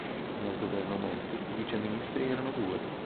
Nel Governo Monti i vice ministri erano due.